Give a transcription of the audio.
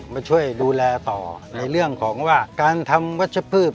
มาช่วยดูแลต่อในเรื่องของว่าการทำวัชพืช